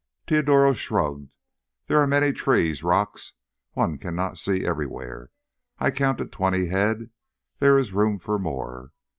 Teodoro shrugged. "There are many trees, rocks; one can not see everywhere. I counted twenty head—there is room for more.